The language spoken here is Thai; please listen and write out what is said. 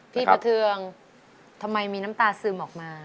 ประเทืองทำไมมีน้ำตาซึมออกมา